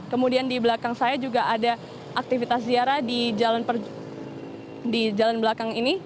kemudian di belakang saya juga ada aktivitas ziarah di jalan belakang ini